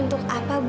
untuk apa bu